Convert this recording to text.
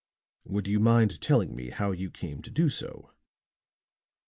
"Would you mind telling me how you came to do so?"